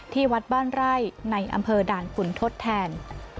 ที่วัดบ้านไร่ในอำเภอด่านขุนทศแทน